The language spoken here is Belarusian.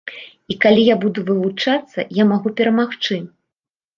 І калі я буду вылучацца, я магу перамагчы.